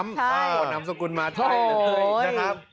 พี่นำสมกุลมาเท่าโหย